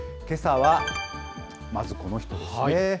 けさは、まずこの人ですね。